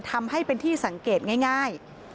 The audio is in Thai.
ทำให้เป็นที่สังเกตง่าย